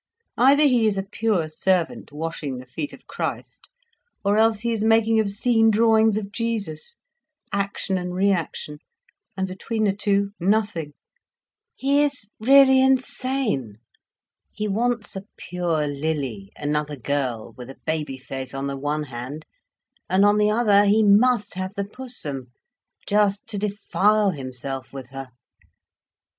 Either he is a pure servant, washing the feet of Christ, or else he is making obscene drawings of Jesus—action and reaction—and between the two, nothing. He is really insane. He wants a pure lily, another girl, with a baby face, on the one hand, and on the other, he must have the Pussum, just to defile himself with her."